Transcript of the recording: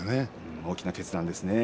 大きな決断ですよね。